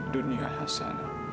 di dunia kita